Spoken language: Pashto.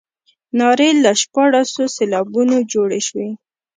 نارې له شپاړسو سېلابونو جوړې شوې.